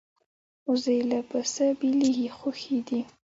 وزې له پسه بېلېږي خو ښې دي